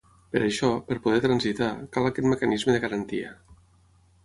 Per això, per poder transitar, cal aquest mecanisme de garantia.